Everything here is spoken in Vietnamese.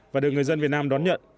và được người dân việt nam đón nhận